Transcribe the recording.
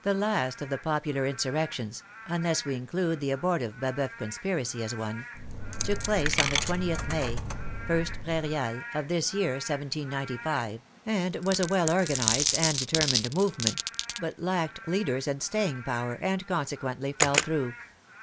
The last of the popular insurrections (unless we in clude the abortive Baboeuf conspiracy as one) took place on the 20th May (ist Prairial) of this year, 1795 (iii), and was a well organized and determined movement, but lacked leaders and staying power, and consequently fell through.